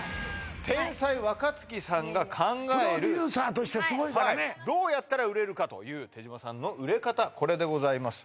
天才若槻さんが考えるプロデューサーとしてすごいからねどうやったら売れるかという手島さんの売れ方これでございます